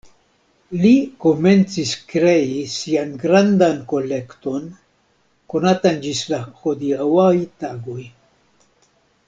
Li komencis krei sian grandan kolekton, konatan ĝis la hodiaŭaj tagoj.